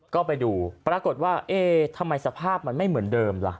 ก็ไปดูปรากฏว่าเอ๊ทำไมสภาพมันไม่เหมือนเดิมล่ะ